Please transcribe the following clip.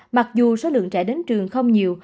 mặc dù số lượng trẻ đến trường không nhiều